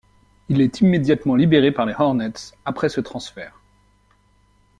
Il est immédiatement libéré par les Hornets après ce transfert.